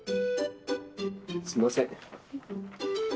すいません。